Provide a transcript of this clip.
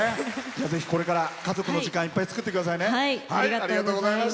ぜひ、これから家族の時間いっぱい作ってくださいね。